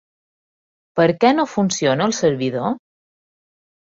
Per què no funciona el servidor?